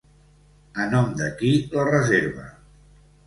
A nom de qui la reserva?